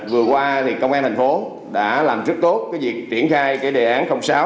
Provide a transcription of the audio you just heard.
vừa qua thì công an tp hcm đã làm rất tốt cái việc triển khai cái đề án sáu